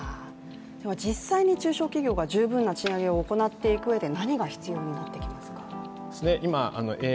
実際に中小企業は十分な賃上げを行っていくうえで何が必要になっていきますか？